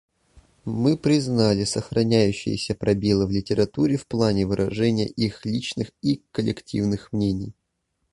Мы признали сохраняющиеся пробелы в литературе в плане выражения их личных и коллективных мнений.